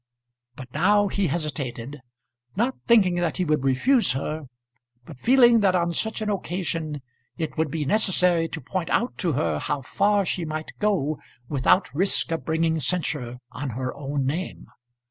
But now he hesitated, not thinking that he would refuse her, but feeling that on such an occasion it would be necessary to point out to her how far she might go without risk of bringing censure on her own name.